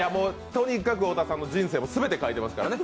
とにかく小田さんの人生も全て書かれてますからね。